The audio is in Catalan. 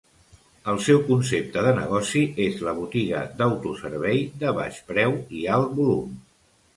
El seu concepte de negoci és la botiga d'autoservei de baix preu i alt volum.